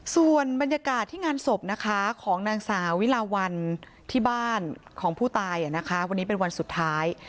ส่วนบรรยากาศที่งานศพนะคะของนางสาววิลาวันที่บ้านของผู้ตายวันนี้เป็นวันสุดท้าย